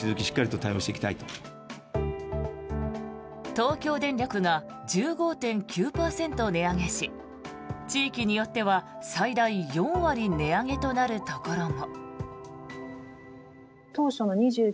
東京電力が１５．９％値上げし地域によっては最大４割値上げとなるところも。